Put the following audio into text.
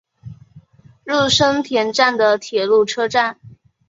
入生田站的铁路车站。